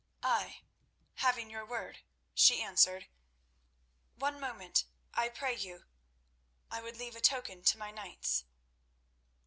"Ay, having your word," she answered. "One moment, I pray you. I would leave a token to my knights."